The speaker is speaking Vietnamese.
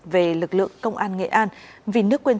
về lực lượng công an nghệ an